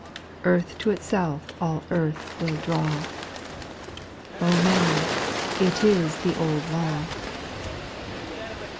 Earth to itself all earth will draw. Oh, man ! it is the old law